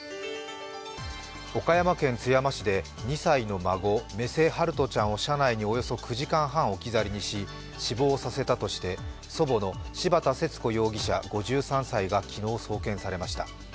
岡山県津山市で２歳の孫、目瀬陽翔ちゃんを車内におよそ９時間半置き去りにし死亡させたとして祖母の柴田節子容疑者５３歳が昨日送検されました。